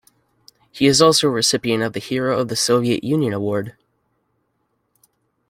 He also is a recipient of the Hero of the Soviet Union award.